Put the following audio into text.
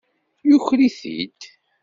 Yuker-it-id.